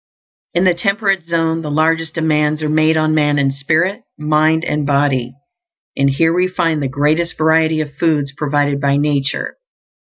In the temperate zone the largest demands are made on man in spirit, mind, and body; and here we find the greatest variety of foods provided by nature.